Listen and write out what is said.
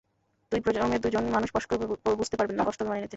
দুই প্রজন্মের দুজন মানুষ পরস্পরকে বুঝতে পারবেন না, কষ্ট হবে মানিয়ে নিতে।